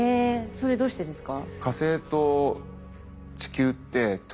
それどうしてですか？